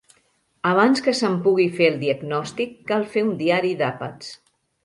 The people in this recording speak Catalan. Abans que se'n pugui fer el diagnòstic, cal fer un diari d'àpats.